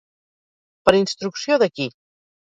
Per instrucció de qui?